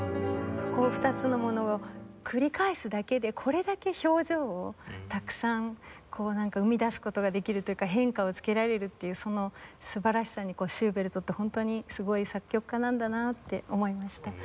こう２つのものを繰り返すだけでこれだけ表情をたくさん生み出す事ができるというか変化をつけられるっていうその素晴らしさにシューベルトってホントにすごい作曲家なんだなって思いました。